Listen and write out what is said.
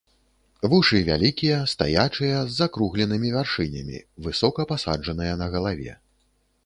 Вушы вялікія, стаячыя, з закругленымі вяршынямі, высока пасаджаныя на галаве.